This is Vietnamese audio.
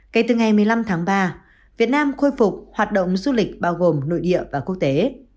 kể từ ngày một mươi năm tháng ba việt nam khôi phục hoạt động du lịch bao gồm nội địa và quốc tế